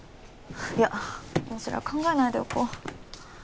いやもうそれは考えないでおこう